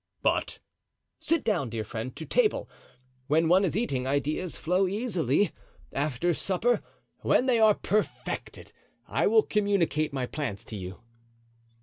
"But——" "Sit down, dear friend, to table. When one is eating, ideas flow easily. After supper, when they are perfected, I will communicate my plans to you."